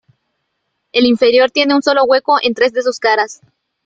El inferior tiene un solo hueco en tres de sus caras.